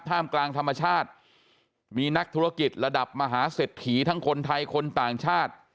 กลางธรรมชาติมีนักธุรกิจระดับมหาเศรษฐีทั้งคนไทยคนต่างชาติ